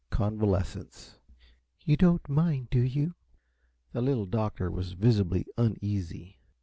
Convalescence. "You don't mind, do you?" The Little Doctor was visibly uneasy.